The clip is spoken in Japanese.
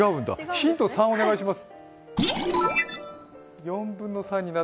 ヒント３をお願いします。